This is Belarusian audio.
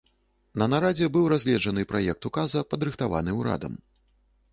На нарадзе быў разгледжаны праект указа, падрыхтаваны ўрадам.